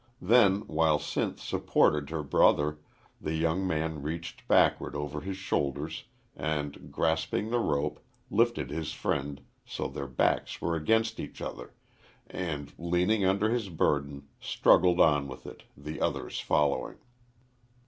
Then, while Sinth supported her brother, the young man reached backward over his shoulders and, grasping the rope, lifted his friend so their backs were against each other, and, leaning under his burden, struggled on with it, the others following.